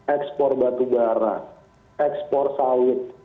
ekspor batu bara ekspor sawit